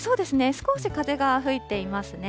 少し風が吹いていますね。